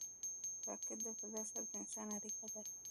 راکټ د فضا سره د انسان اړیکه ده